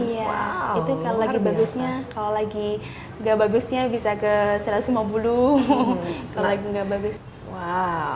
itu kalau lagi bagusnya kalau lagi nggak bagusnya bisa ke satu ratus lima puluh juta